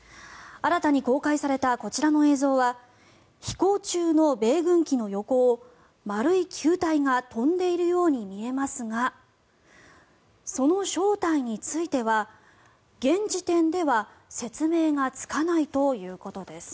新たに公開されたこちらの映像は飛行中の米軍機の横を丸い球体が飛んでいるように見えますがその正体については現時点では説明がつかないということです。